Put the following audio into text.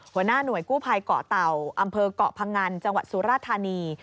หัวหน้าหน่วยกู้ภัยเกาะเต่าอำเภอกเกาะพงันจังหวัดสุราธานี